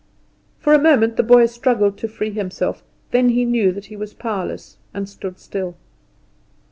For a moment the boy struggled to free himself; then he knew that he was powerless, and stood still.